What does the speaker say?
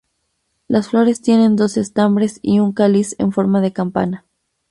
Las flores tienen dos estambres y un cáliz en forma de campana.